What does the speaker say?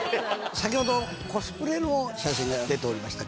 先ほどコスプレの写真が出ておりましたけど。